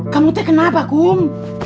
kamu itu kenapa gum